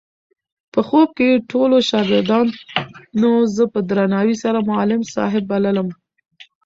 په خوب کې ټولو شاګردانو زه په درناوي سره معلم صاحب بللم.